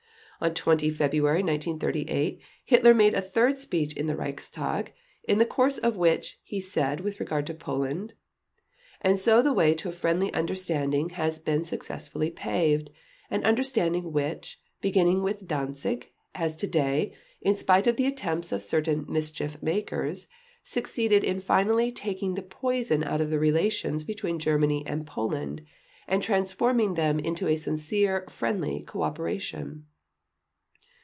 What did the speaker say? On 20 February 1938 Hitler made a third speech in the Reichstag in the course of which he said with regard to Poland: "And so the way to a friendly understanding has been successfully paved, an understanding which, beginning with Danzig, has today, in spite of the attempts of certain mischief makers, succeeded in finally taking the poison out of the relations between Germany and Poland and transforming them into a sincere, friendly cooperation